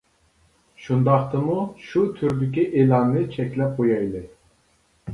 شۇنداقتىمۇ شۇ تۈردىكى ئېلاننى چەكلەپ قويايلى.